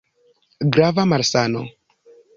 Grava malsano!